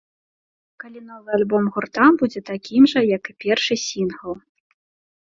Калі новы альбом гурта будзе такім жа, як і першы сінгл.